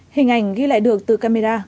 hình ảnh ghi lại được từ camera